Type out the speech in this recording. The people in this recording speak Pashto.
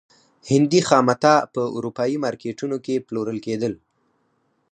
هندي خامتا په اروپايي مارکېټونو کې پلورل کېدل.